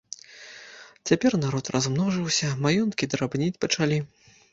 Цяпер народ размножыўся, маёнткі драбнець пачалі.